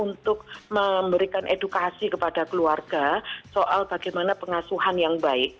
untuk memberikan edukasi kepada keluarga soal bagaimana pengasuhan yang baik